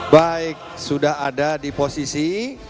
baik sudah ada di posisi